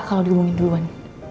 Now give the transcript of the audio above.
kalau diubungin duluan